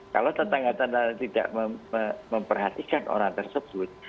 kalau tetangga tetangga tidak memperhatikan orang tersebut